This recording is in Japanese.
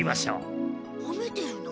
ほめてるの？